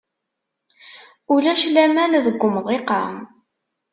Ulac laman deg umḍiq-a.